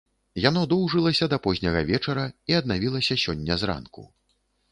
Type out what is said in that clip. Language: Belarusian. Яно доўжылася да позняга вечара і аднавілася сёння зранку.